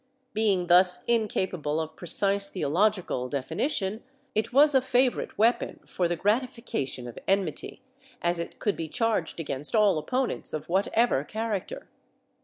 Being thus incapable of precise theological definition, it was a favorite w^eapon for the gratification of enmity, as it could be charged against all opponents of whatever character.